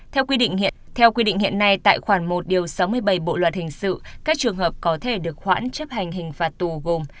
theo quy định hiện nay tại khoảng một điều sáu mươi bảy bộ loạt hình sự các trường hợp có thể được hoãn chấp hành hình phạt tù gồm